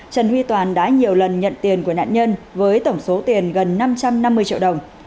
trần huy toàn đã nhiều lần nhận tiền của nạn nhân với tổng số tiền gần năm trăm năm mươi triệu đồng